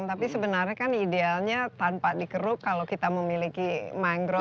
tapi sebenarnya kan idealnya tanpa dikeruk kalau kita memiliki mangrove